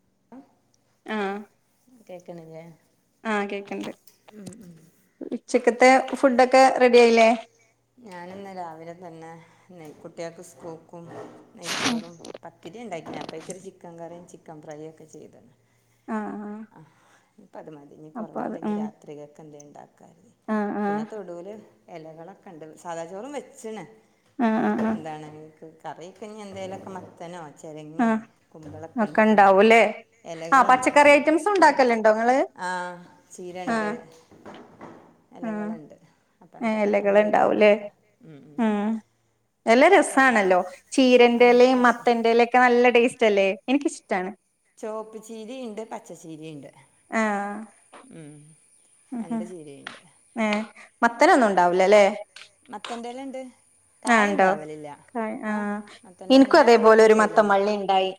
[inaudible] ആ കേക്ക് ണ് ല്ലെ ആഹ കേക്കണ്ട് ചിക്കത്തെ ഫുഡൊക്കെ റെഡി ആയില്ലേ ഞാനിന്ന് രാവിലെ തന്നെ ന കുട്ടികൾക്ക് സ്കൂൾക്കും അയച്ചോറും പത്തിര ഉണ്ടായിപ്പ ചരി ചിക്കൻ കറും ചിക്കൻ ഫ്രയും ഒക്കെ ചെയ്തരുന്നു ആഹ് ആഹ് ആ ഇ പത് മതി ഇനി അപ്പൊ അത് കൊറവുണ്ടെങ്കി ഉം രാത്രികൊക്കെ എന്ത ഉണ്ടാക്കരുന്നു ആഹ് ആഹ് പിന്നെ തൊടുല് ഇലകളൊക്കെ ഉണ്ട് സാധാ ചോറും വെച്ചണ് ആഹ് ആഹ് ആഹ് എന്താണ്നക്ക് കറി കഴിഞ്ഞ എന്തേലുമക്കെ മത്തനോ ചെരങ്ങേ ആഹ് കുമ്പളൊക്കെണ്ട് ഒക്കെ തൊടുല് ഇണ്ടാവൂല്ലേ ആഹ് ഇലകളുണ്ട് പച്ചക്കറി ഐറ്റംസും ഉണ്ടാക്കലുണ്ടോ ഇങ്ങള് ആഹ ചീരണ്ട് ആഹ് ഇലകളുണ്ട് അപ്പം എന്ത് അപ്പം എന്തേലൊക്കെ ഇലകള്ണ്ടാവൂല്ലേ എടുക്കാം ഉ എല അത് രസണല്ലോ ആ ചീരന്റെ ഇലയും എനിക്കല്ല ഇഷ്ടാ മത്തന്റെ ഇലൊക്കെ നല്ല ടേസ്റ്റ്ല്ല ല്ലെ എനിക്കിഷ്ടാണ് ചുവപ്പ് ചീരി ണ്ട് പച്ചച്ചീരിണ്ട് ആഹ് ഉം രണ്ട് ചീരിണ്ട് ഏ മത്തനൊന്നും ഇണ്ടാവൂല്ലല്ലേ മത്തൻ്റെലേണ്ട് ആണ്ടോ ആ മത്തൻ്റെ ഇല എനിക്കും അതേപോലെ ഞാനതെന്താ ഒരു മത്തം ചെയ്യലെന്നോ മള്ളി ഇണ്ടായി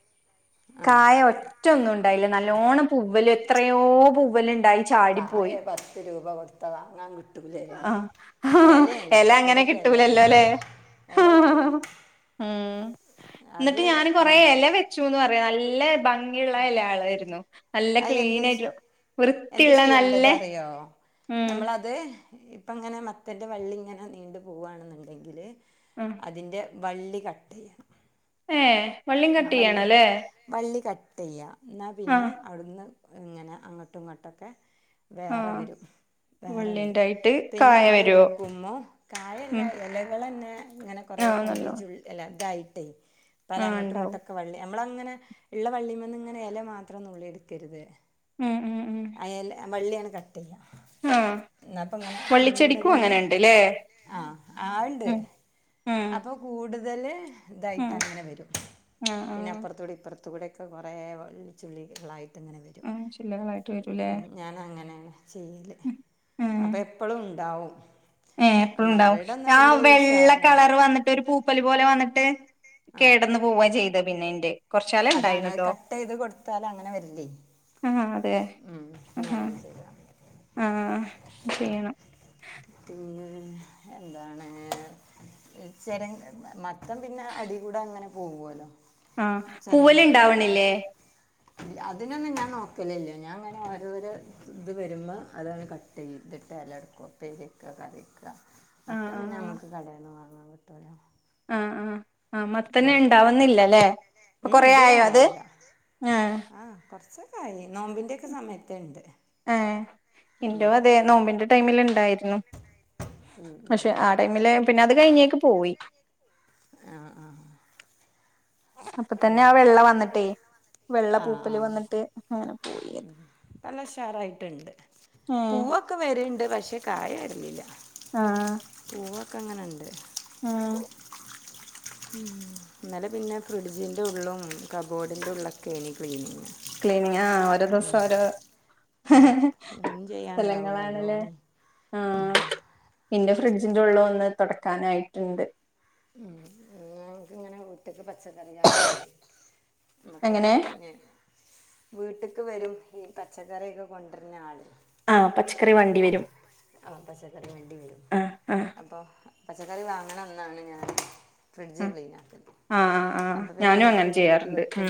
ആ കായ ഒറ്റ ഒന്ന ണ്ടായില്ല നല്ലോണം പൂവ്വല് എത്രയോ പൂവലിണ്ടായി ചാടി കായ പോയി പത്ത് രൂപ കൊടുത്താൽ വാങ്ങാൻ കിട്ടൂലേ ആ ഇലയാണ് ഇല അങ്ങനെ ഇവിടേക്ക് ഇലയാണ് കിട്ടൂലല്ലോല്ലെ ഇല കിട്ടൂല ഉ എന്നിട്ട് അത് ഞാന് കൊറെ എന്ത് ഇല വെച്ചുന്ന് പറയും നല്ല ഭംഗിയുള്ള എലയാളായിരുന്നു നല്ല അത് ക്ലീൻ എന്താ ആയിട്ട് എന്താ വൃത്തിയുള്ള നല്ല ചെയ്യേണ്ടത് അറിയോ ഉം നമ്മളത് ഇപ്പം അങ്ങനെ മത്തൻ്റെ വള്ളി ഇങ്ങനെ നീണ്ടു പോവുകവാണെന്നുണ്ടെങ്കില് ഉം അതിൻ്റെ വള്ളി കട്ടിചെയ്യ ഏ വള്ളിം കട്ട് ചെയ്യണല്ലേ ട്ടിയ്യ എന്നാൽ പിന്നെ ആഹ് അവിടുന്ന് ഇങ്ങനെ അങ്ങോട്ടും ഇങ്ങോട്ടൊക്കെ വേറെ ആഹ് വരും വേറെ വരും വള്ളിണ്ടായിട്ട് പിന്നെ കായ നമ്മൾ വരുവോ എടുക്കുമ്പോ കായല്ല ഉം ഇലകള്ന്നെ അങ്ങനെ കുറെ ആഹ് കൊമ്പ് നല്ലോണം ചുല് ല് തായി ട് [inaudible] പല ആഹ് അങ്ങോട് ഉണ്ടാവും ങ്ങിട്ടക്കെ വള്ളി നമ്മൾ അങ്ങനെ ള്ള വള്ളീമേന്ന് ഇങ്ങനെ ഇല മാത്രം നുള്ളി എടുക്കരുത് ഉം ഉം ഉം അ ഇല വള്ളിയാണ് ക ആഹ് എന്നാ ഇപ്പോ ഇങ്ങനെ വള്ളിച്ചെടിക്കും കൂടുതൽ അങ്ങനെ ഉണ്ട്ല്ലേ ആ ആളുണ്ട് ഉം ഉം അതല്ലേ ഉം ഇതായിട്ട് അങ്ങനെ വരും ആ ആ പിന്നെ അപ്പുറത്ത കൂടി ഇപ്പുറത്ത് ഇവിടെയൊക്കെ കുറെേ വള്ളിച്ചെടികളായിട്ട് വിട്ടീല്ലേ ചെയ്യലേ അപ്പം എപ്പോഴും ഉണ്ടാവും ഏ എപ്പഴുണ്ടാവും മരടൊന്നും ആ വലിയൊരു വെള്ള ഉഷാറില്ല കളർ വന്നിട്ട് ഒരു പൂപ്പൽ പോലെ വന്നിട്ട് ആ കേടന്നു പോവാൻ ചെയ്ത പിന്നെ എന്റെ അതാണ് കട്ട് ചെയ്ത് കൊടുത്താലും അങ്ങനെ വരില്ലേ ഉം, ഇനി [inaudible] അങ്ങനെ ചെയ്താൽ മതി ആ ചെയ്യണം പിന്നെ എന്താണ് ചര മത്തം പിന്നെ അടികൂടെ അങ്ങനെ പോവല്ലോ ആ പൂവൽ ഉണ്ടാവണില്ലേ അതിനൊന്നും ഞാൻ നോക്കലില്ല ഞാൻ അങ്ങനെ ഓരോര ഇത് വരുമ്പോ അതൊന്ന് കട്ട് ചെയ്തിട്ട് ഇല എടുക്കും. നെല്ലവിക്ക കറിക്ക ആ മത്തം പിന്നെ നമ്മുക്ക് കളയണം ആ ആ ആ മത്തന്നെ ഉണ്ടാവുന്നില്ലല്ലേ ഇപ്പൊ ഉം, കുറേ ഇതുവരെ ആയോ അത് ഉണ്ടായില്ല ആ കുറച്ചൊക്കെ ആ നോമ്പിൻ്റെയൊക്കെ സമയത്തുണ്ട്. ആ എൻ്റൊ അതെ നോമ്പിന്റെ ടൈമിൽ ഉണ്ടായത് പക്ഷെ ആ ടൈമിൽ പിന്നെ അത് കഴിഞ്ഞേക്ക് പോയി [inaudible] അപ്പ ഇത്, തന്നെ ആ വെള്ള വന്നിട്ടേ വെള്ള ആ പൂപ്പൽ ആ വന്നിട്ട് അങ്ങനെ പോയത്. നല്ല ഉഷാറായിട്ടുണ്ട് ഏഹ് പൂവൊക്കെ വരണ്ട് പക്ഷേ കായ ഇരുന്നില്ല ആഹ ഒക്കെ അങ്ങനെയുണ്ട് ആഹ ഇന്നലെ പിന്നെ ഫ്രിഡ്ജിൻ്റെ ഉള്ളും കബ്ബോർഡിൻ്റെ ഉള്ളിലൊക്കെ ഇനി ക്ലീൻ ചെയും ക്ലീനിങ് ആ ഓരോ ദിവസം ഓരോ ക്ലീൻ ചെയ്യാണ്ടാവും സ്ഥലങ്ങളാണല്ലേ നല്ലോണം ആ ഫ്രിഡ്ജിന്റെ ഉള്ളം ഒന്ന് തുൊടക്കാനായിട്ടുണ്ട് ഉ അ നമക്ക് ഇങ്ങനെത്ത പ പച്ചകറിയക്ക് വര നമക്കെ എങ്ങനെ പിന്നെ വീട്ടക്ക് വരും ഈ പച്ചക്കറിയൊക്കെ കൊണ്ടർണ ആള് ആഹ് പച്ചക്കറി വണ്ടി ആ വരും ആ പച്ചക്കറി വേണ്ടി വരും ആഹ് ആഹ് അപ്പൊ പ കറി വാങ്ങണ ന്നാണ് ഞാൻ ആ ഫ്രിഡ്ജ് ക്ലീനാണ്ണ് ആഹ ആഹ് ഞാനും അങ്ങനെ ചെയ്യാറണ്ട് ഉ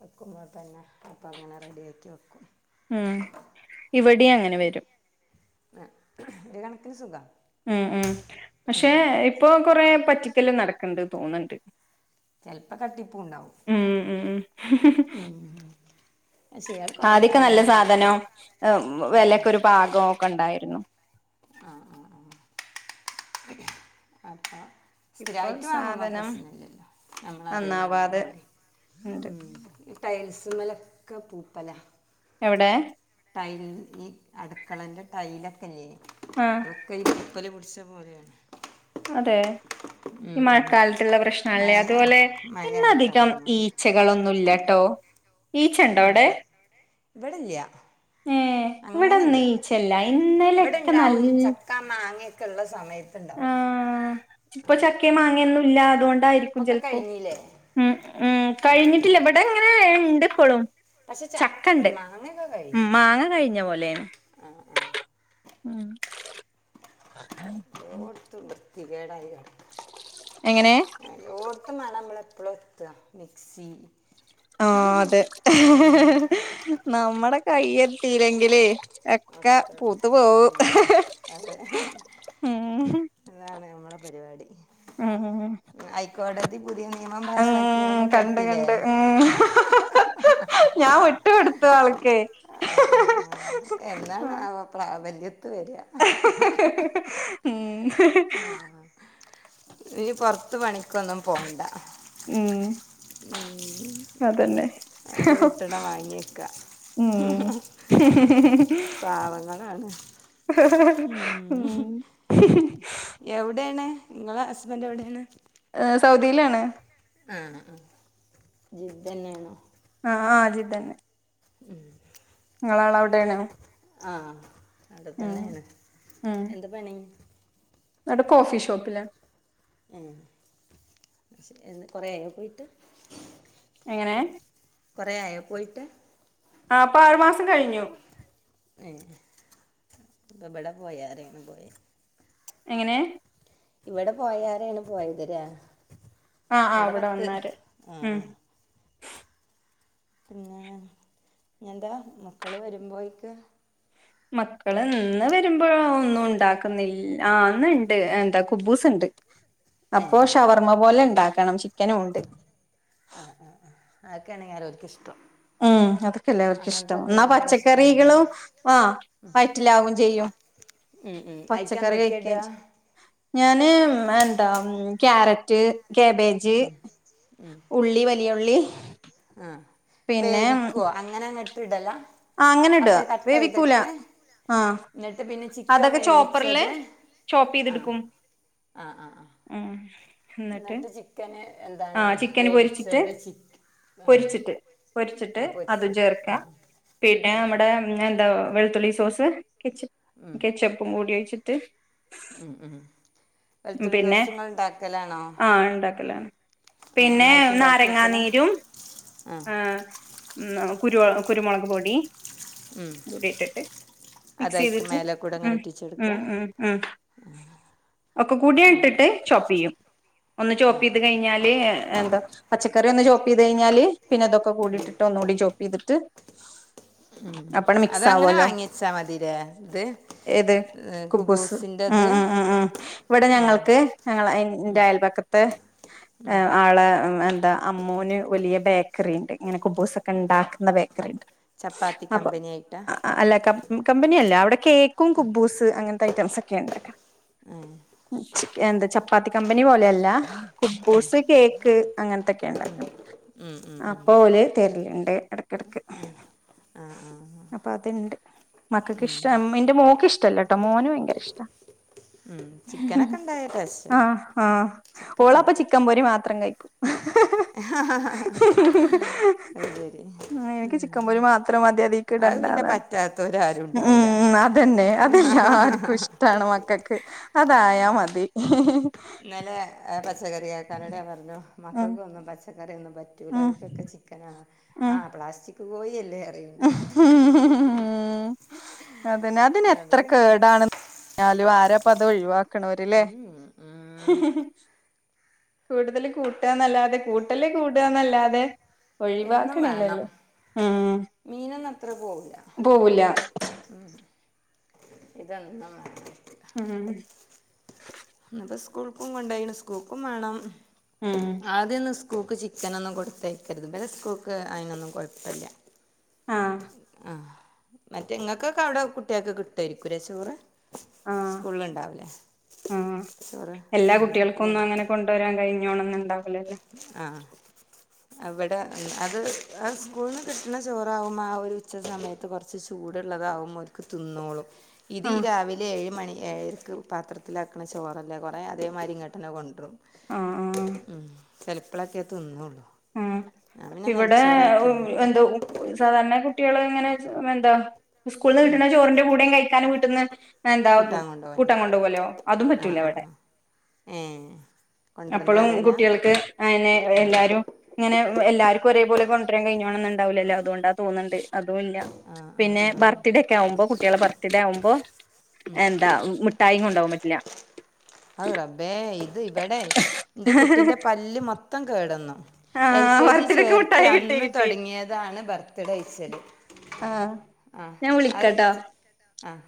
വയ്ക്കുമ്പോൾ തന്നെ അപ്പം അങ്ങനെ റെഡിയാക്കി വെക്കും ഉം ഇവിടെ അങ്ങനെ വരും രി സുഖ ഉം ഉം പക്ഷെ ഇപ്പൊ കൊറേ പറ്റിക്കല് നടക്കണ്ട് തോന്നണ്ട് ചിലപ്പോൾ തട്ടിപ്പും ഉണ്ടാവും ഉം ഉ പക്ഷെ ഇയാൾ കുറേ ആദ്യക്ക നല്ല കാലങ്ങളായിട്ട് സാധനവും വരും ആ വിലക്കൊ ഒരു പാകവും ഒക്കെ ണ്ടായിരുന്നു [unintelligible] ആ ആ ആ അപ്പോ ഇപ്പോൾ സ്ഥിരയിട്ട് വങ്ങമ്പോ സാധനം പ്രശ്നല്ലല്ലോ ഞമ്മളറിയുന്ന നന്നാവാതെ ആളാവളെ ഉണ്ട് ഉ ടയൽസ് മലക്ക് പൂപ്പല എവിടെ ടൈൽ ഈ അടുക്കളൻ്റെ ടൈലൊക്കെല്ലെ ആ അതൊക്കെ പാളീദച്ച പോലെണ് അതെ ഈ ഉം. മഴക്കാലത്തുള്ള പ്രശ്നംല്ലേ മഴ അതുപോലെ ഇന്ന മഴയായിട്ടാണ് അധികം തോന്നുന്നുണ്ട് ഈച്ചകളൊന്നുംല്ലട്ടോ ഈച്ച ഉം. ഉണ്ടോടെ ഇവിടെ ഇല്ല ഉ ഇവിടെ അങ്ങനില്ല നീച്ചല്ല ഇന്നലൊക്കെ നല്ല ക്കള്ള ആ സമയത്ണ്ടാവും ഇപ്പൊ ചക്കേം മാങ്ങൊന്നു ഇല്ല അതുഓണ് ആയിരിക്കും ഇപ്പൊക്കെ ചലപ്പോ കഴിഞ്ഞില്ലേ ഉം ഉം കഴിഞ്ഞിട്ടില്ല ഇവിടെ എങ്ങനെ ഇ ണ്ട് ഇപ്പളും പക്ഷെ ചക്ക ചക്കണ്ട് ഉണ്ട് മാങ്ങയൊക്കെ ഉം കഴിഞ്ഞു മാങ്ങ കഴിഞ്ഞ പോലെയാ ആ ആ ണ് ഉം [inaudible] [unintelligible] എങ്ങനെ എല്ലോടത്തും മാണം ഞമ്മള് [unintelligible] മിക്സി ആ അതെ ഏഹ ഹാ നമ്മുടെ കയ്യെത്തില്ലെങ്കിലെ ഒക്കെ പൂത്ത് പോവും ഉം, ഏഹ്ഹ് അതെ ഹേ അതാണ് നമ്മളെ ഉം ഉം ഹ് കോടതി പുതിയ നിയമം പാസാക്കിയതൊക്കെ കണ്ട് കെട്ടില്ലേ കണ്ട് ഉം ഹ് ഹ് ഹ് ഹ് ത്ത് ആൾക്കെ എന്നാണാവോ പ്രാപ്യത്തി ഹ ഹ ഹ ഹ ഉം ഹ് ഹു ഇജ് പുറത്ത് പണിക്ക ണിക്കൊന്നും പോണ്ട ഉം മ്ഹ് അതന്നെ അത്കിട്ടണെ വാങ്ങിയക്ക ഉം ഹ ഹ പാവങ്ങളാണ് ഉം ഹ് എവിടൊണ് നിങ്ങളെ ഹസ്ബൻറ് എവിടെയാണ് സൗദിയിലാണ് ആ ആ ജിദ്ദന്നെണോ ആ ആ അ ജിദ്ദന്നെ ഉം നിങ്ങളാളെവിടെയാണ് ആഹ അവിടെ തന്നെണ് എന്താ പണി എന്നട്ട് കോഫിഷോപ്പിലാ ഉം കൊറെയായോ പോയിട്ട് എങ്ങനെ കൊറെആയോ പോയിട്ട് ആ ഇപ്പൊ ആറുമാസം കഴിഞ്ഞു ങെ പ്പോ ഇബടെ പോയാരെ ആണ് പോയത് എങ്ങനെ ഇവിടെ പോയാരെണ് പോയത് ലെ ആ ആ അവിടെ വന്നരെ ആ ഉം ആ പിന്നെ ഇനിയെന്താ മക്കള് വരുമ്പോഴേക്ക് മക്കള് ഇന്ന് വരുമ്പോ ഒന്നും ഉണ്ടാക്കുന്നില്ല ആ ന്ന്ണ്ട് എന്താ കുബൂസ്ണ്ട് അപ്പോഷവർമ്മ പോലെ ഇ ഉണ്ടാക്കണം ചിക്ക അ ആ ആ അക്കെണ് അരോൽക് ഇഷ്ടം. ഉം അതൊക്കെല്ലേ അങ്ങനത്തെ അവർക്ക്ഷ്ടം ഒക്കെ എന്നാ ഭയങ്കര ഇഷ്ടമാണ് കാര പച്ചക്കറികളും അ വയറ്റിലാവും ചെയ്യും ഉം ഉം പച്ചക്കറി ആയിക്കെന്തെക്കേ ഇട? കഴിക്കുകയും ചെയ്യും ഞാന് എന്താ ക്യാരറ്റ്. കാബേജ് ഉള്ളി വലിയുള്ളി അ വേവിക്കോ അങ്ങനെങ്ങ ഇടല അ അങ്ങനെ ഇട ഒക്കെ കട്ട് വേവിക്കൂല ചെയ്തിട്ട് ആ എന്നിട്ട് പിന്നെ ചിക്കൻ അതൊക്കെ ചോപ്പറില് വേവിച്ചത് ആഹ് ചോപ്പെയ്തെടുക്കും ആഹ് ആഹ് ആഹ് ഉം എന്നിട്ട് ചിക്കന് ആ എന്താണ് ചിക്കൻ പൊരിച്ചിട്ട് വേവിച്ചത് ചിക് ആഹ് പൊരിച്ചിട്ട് പൊരിച്ചിട്ട് ആഹ് അതും പൊരിച്ചത് ചേർക്ക ആഹ് പിന്നെ ആഹ് നമ്മടെ ആഹ് എന്താ വെളുത്തുള്ളി സോസ് സ് കെച്ച ഉം കെച്ചപ്പും കൂടി ഒഴിച് ത്ത് ഉം ഉം വെളുത്തുള്ളി പിന്നെ [unintelligible] ഉണ്ടാക്കലാണോ ആ ഉണ്ടാക്കലാണ് ആഹ് പിന്നെ ഒന്നായിട്ട് ഉണ്ടാക്കി വെക്കലാ നാരങ്ങാനീരും ആഹ് അ [unintelligible] കുരു കുരുമുളക് പൊടി കൂടിയിട്ടിട്ട് മിക്സ് അതായിരിക്കും ചെയ്തിട്ട് മേലെ കൂടെ അങ്ങനെ ഉം ഒറ്റിച്ചെടുക്കുക ഉം ഉം ഉം ഒക്കെകൂട ആഹ് ഇട്ടിട്ട് ചോപ്പ് ചെയ്യും ഒന്ന് ചോപ്പ് ചെയ്ത് കഴിഞ്ഞാല് എന്താ പച്ച ക്കറി ഒന്ന് ചോപ്ചെയ്ത് കഴിഞ്ഞാല് പിന്നെ ഇതൊകൂടിട്ടിട്ട് ഒന്നുകൂടി ചോപ് ചെയ്തി്ട്ട് അപ്പണ്ട് മിക്സ് അതങ്ങനെ അവല്ലോ വാങ്ങിച്ചാൽ മതില്ലേ ഇത് ഏത് കുബൂസ് ഉം കുബൂസിൻ്റെത് ഉം ഉം ഉം ഇവിടെ ഞങ്ങൾക്ക് ഞങ്ങ അന്റെ അയൽപക്കത്തെ ആള എന്താ അമ്മൂന് വലിയ ബാ കറിണ്ട് ഇങ്ങനെ കുബു സ്സൊക്കെ ഉണ്ടാക്കുന്ന ബേ ചപ്പാത്തി കമ്പനി ആയിട്ടാ? കമ്പനിയല്ല അവിടെ കേക്കും കുബൂസ് അങ്ങനത്തെ റ്റംസൊക്കെ ഉണ്ടാക്കണ ഏഹ് എന്ത് ചപ്പാത്തി കമ്പനി പോലെയല്ല. കുബ്ബൂസ്, കേക്ക് അങ്ങനത്തൊക്കെ ഉണ്ടാക്കും. ആഹ് അപ്പോ ഓല് തെരലുണ്ട് ഇടക്കിടക്ക്. ആഹ് അപ്പൊ അതുണ്ട് മക്കൾക്ക് ഇഷ്ടം എന്റെ മോക്ക് ഇഷ്ടല്ലോ ട്ടോ മോന് ഭയങ്കര ഇഷ്ട. ഉം ചിക്കനൊക്കെ ഉണ്ടായ ആ ടേസ്റ്റാണ് ആ ചിക്കൻ ഓളപ്പ ചിക്കൻ പൊരി മാത്രം കഴിക്കും. ആഹ് ഹാ ഹാ ഉം എൻക്ക് ചിക്കൻപൊരിമാത്രംമതി അത് പിന്നെ അതീക്കിടണ്ടന്ന്പറിം പറ്റാത്തോരാരും ഉണ്ടാവൂല മ്മ് അതന്നെ അതെല്ലാർക്കും ഇഷ്ടമാണ് മക്കക്ക് അതായാ മതി. ഇന്നലെ പച്ചകറി ആക്കാനിടയാ പറഞ്ഞു ഉം മക്കൾക്ക ഒന്നും പച്ച ക്കറിയൊന്നു പറ്റൂല ഉം അവർക്കൊക്കെ ചിക്കനാണ് ആ ഉം പ്ലാസ്റ്റിക്ക് [unintelligible] ദേ അറിയുണ്ട്. അതെന്നെ അതിനെത്ര കേടാണ് പറഞ്ഞാലും ആരപ്പത് ഒഴിവാക്കണവരില്ലേ? ഉം ഉം കൂടുതല് കൂട്ടുകന്നല്ലാതെ കൂട്ടല് കൂട്ടുകന്നല്ലാതെ എന്നും വേണം ഒഴിവാക്കണില്ലല്ലോ? ഉം മീനൊന്നും അത്ര പോവൂല. ഇത് എന്നാ ഉം ഇന്നിപ്പോ സ്കൂൾക്കും കൊണ്ടന് സ്കൂൾക്കും വേണം. ഉം ആദ്യം ന്ന് [unintelligible] കൂക്ക് ചിക്കൻ ഒന്നും കൊടുത്തെയ്ക്ക ക്കര്ത് ഇവരെ സ്കൂൾക്ക് അതിനൊന്നും കുഴപ്പമില്ല ആഹ് ആ മറ്റെങ്ങൾക്കൊക്കെ അവിടെ കുട്ടികൊക്കെ കിട്ട ഇരിക്കൂരെ ചോറ്? ആ സ്കൂളിലുണ്ടാവില്ലേ ആ ചോറ് എല്ലാ ഇവർക്ക് കുട്ടികൾക്കും ഒന്നും കൊണ്ട് അങ്ങനെ കൊണ്ടുവരാൻ കഴിഞ്ഞോണം ഒന്നും ഇല്ലല്ലോ? ആഹ് അവിടെ മ് അത് അ സ്കൂള്ന്ന് കിട്ടുന്ന ചോറാവും ആ ഒരു ഉച്ച സമയത്ത് കുറച്ച് ചൂടുള്ളതാകുമ്പോൾ അവർക്ക് തിന്നോളും. ഇത് ആഹ് രാവിലെ ഏഴ് മണി ഏഴരയ്ക്ക് പാത്രത്തിലാക്കണ ചോറല്ലേകുറേ അതേ മരിങ്ങെട്ടനെ കൊണ്ടുവരും. ആഹ് ആഹ് ഉം ചിലപ്പളൊക്കെ തിന്നുള്ളൂ ഉ ഇവിടെ വെക്കല എന്തോ സാധാരണ എ കുട്ടികൾ ഇങ്ങനെ എന്താ സ്കൂള്ന്ന്കിട്ട്ണ ചോറിൻന്റെ കൂടെയും കഴിക്കാനു വീട്ട്ന്ന് [inaudible] എന്താ കൂട്ടാൻ കൂട്ടൻ കൊണ്ടോവായ്കാരം കൊണ്ടോവല്ലോ അതും ആഹ് പറ്റൂലോ ആഹ് ഇവിടെ ആഹ് ഏഹ് കൊണ്ടരണ്ട അപ്പളും അറിയില്ല കുട്ടികൾക്ക് അയ്ന് എല്ലാരും ങ്ങെ എല്ലർക്കും ഒരേ പോലെ കൊണ്ടരാൻ കഴിഞ്ഞോണന്നുണ്ടാവൂല്ലല്ലോ അതുകൊണ്ടാ തോന്നുന്ന്ണ്ട് അതുല്ല ആഹ് പിന്നെ ആഹ് ആഹ് ബർത്ത്ഡേക്കെ ആവുമ്പോ കുട്ടിളെ ബർത്ത്ഡേ ആവുമ്പോ എന്താ മിഠായിയും കൊണ്ടവാൻ പറ്റില്ല [inaudible] അഅ് റബ്ബേ ഇത് ഇവിടെ എന്റെ കുട്ടീന്റെ പല്ല് മൊത്തം കേടന്നു എൽ ആഹ് കെ ജി ബർത്ത്ഡേക്ക് ചേർത്തി മിഠായി കിട്ടി അന്ന് കിട്ടി തുടങ്ങിയതാ നാളെ ബർത്ത്ഡേ ഇശല് ആഹ് ഞാൻ വിളിക്കട്ടൊ അഹ്